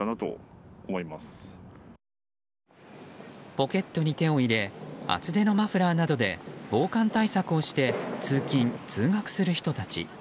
ポケットに手を入れ厚手のマフラーなどで防寒対策をして通勤・通学する人たち。